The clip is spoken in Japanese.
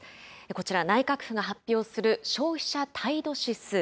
こちら、内閣府が発表する消費者態度指数。